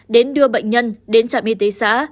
đến đưa bệnh nhân đến trạm y tế xã